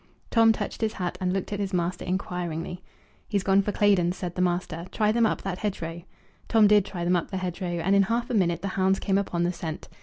Tom touched his hat, and looked at his master, inquiringly. "He's gone for Claydon's," said the master. "Try them up that hedgerow." Tom did try them up the hedgerow, and in half a minute the hounds came upon the scent.